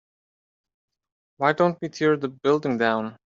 why don't we tear the building down?